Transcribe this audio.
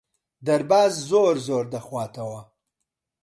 دەرباز زۆر زۆر دەخواتەوە.